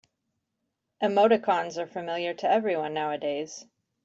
Emoticons are familiar to everyone nowadays.